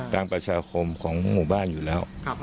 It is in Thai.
ประชาคมของหมู่บ้านอยู่แล้ว